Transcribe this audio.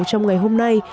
trong ngày hôm nay